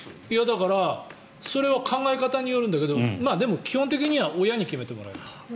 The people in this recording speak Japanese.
だから、それは考え方によるんだけどでも、基本的には親に決めてもらいます。